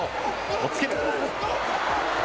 押っつけ。